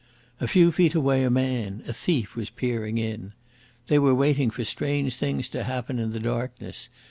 A few feet away a man, a thief, was peering in. They were waiting for strange things to happen in the darkness.